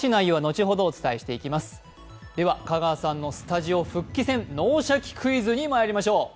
では香川さんのスタジオ復帰戦、「脳シャキ！クイズ」にまいりましょう。